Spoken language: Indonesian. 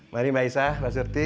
mari mbak isah mbak surti